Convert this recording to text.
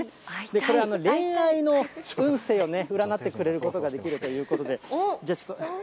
これ、恋愛の運勢をね、占ってくれることができるということで、ちょっと。